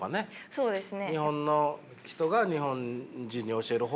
そうですね。